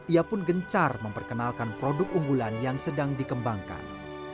ia pun gencar memperkenalkan produk unggulan yang sedang dikembangkan